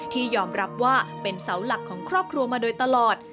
ที่ยอมรับว่าเป็นเศร้าหลักคุณมาโดยตลอด